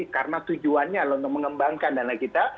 karena tujuannya untuk mengembangkan dana kita